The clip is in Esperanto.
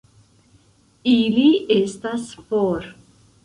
Ili estas for!